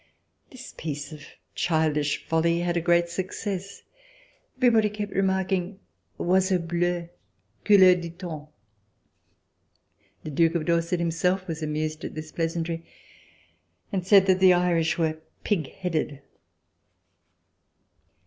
This piece of childish folly had a great success. Everybody kept remarking: "Oiseau bleu, couleur du temps." The Duke of Dorset him self was amused at this pleasantry and said that the Irish were pig headed!